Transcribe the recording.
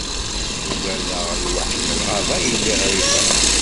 Uggadeɣ lwaḥc n lɣaba a yelli ɣriba.